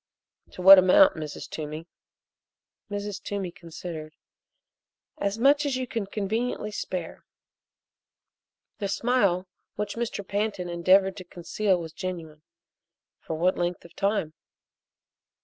"To what amount, Mrs. Toomey?" Mrs. Toomey considered. "As much as you could conveniently spare." The smile which Mr. Pantin endeavored to conceal was genuine. "For what length of time?"